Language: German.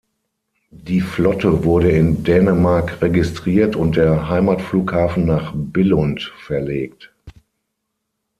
Die Flotte wurde in Dänemark registriert und der Heimatflughafen nach Billund verlegt.